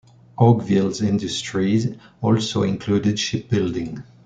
Oakville's industries also included shipbuilding.